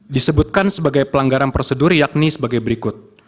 disebutkan sebagai pelanggaran prosedur yakni sebagai berikut